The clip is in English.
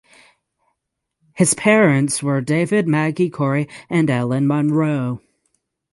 His parents were David Magie Cory and Ellen Monroe.